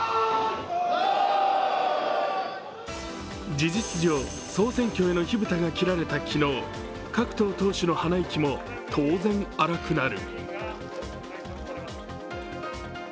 事実上、総選挙への火蓋が切られた昨日、各党党首の鼻息も当然荒くなる。